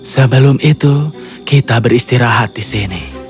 sebelum itu kita beristirahat di sini